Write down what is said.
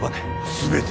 全て。